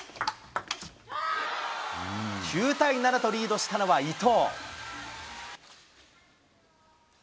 ９対７とリードしたのは伊藤。